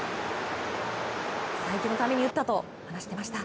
才木のために打ったと話していました。